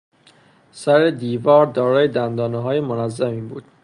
سر دیوار دارای دندانههای منظمی بود.